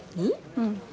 うん。